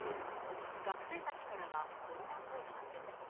学生たちからはこんな声が。